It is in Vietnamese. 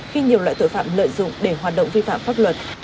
khi nhiều loại tội phạm lợi dụng để hoạt động vi phạm pháp luật